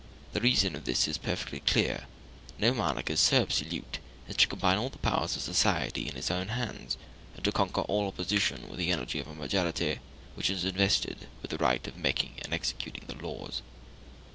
The reason of this is perfectly clear: no monarch is so absolute as to combine all the powers of society in his own hands, and to conquer all opposition with the energy of a majority which is invested with the right of making and of executing the laws.